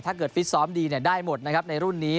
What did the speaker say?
ถ้าเกิดฟิศซ้อมดีได้หมดในรุ่นนี้